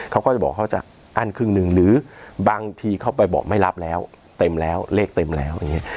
เขาก็จะบอกเขาจะอั้นครึ่งหนึ่งหรือบางทีเขาไปบอกไม่รับแล้วเต็มแล้วเลขเต็มแล้วอย่างนี้